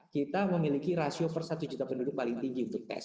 kita memiliki rasio per satu juta penduduk paling tinggi untuk tes